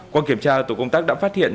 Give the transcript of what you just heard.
qua kiểm tra tổ công tác đã phát hiện